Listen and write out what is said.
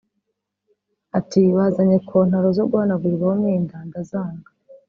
Ati “bazanye kontaro zo guhanagurirwaho umwenda ndazanga